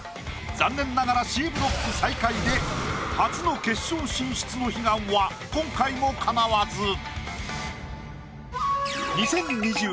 残念ながらＣブロック最下位で初の決勝進出の悲願は今回もかなわず。